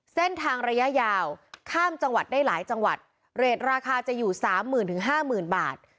เส้นทางระยะยาวข้ามจังหวัดได้หลายจังหวัดเหรดราคาจะอยู่๓๐๐๐๐๕๐๐๐๐บาท